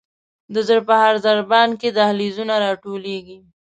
د زړه په هر ضربان کې دهلیزونه را ټولیږي.